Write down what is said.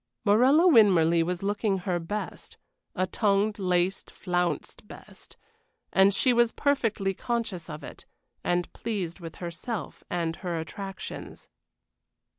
Morella Winmarleigh was looking her best. A tonged, laced, flounced best; and she was perfectly conscious of it, and pleased with herself and her attractions.